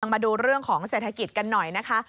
มาดูเรื่องของเศรษฐกิจกันหน่อยนะคะ